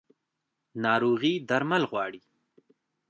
ناروغي درمل غواړي